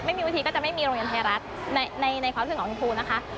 ไม่มีมูลนิษฐีก็จะไม่มีโรงเรียนไทรัฐในความรู้สึกของพี่ปูนะคะ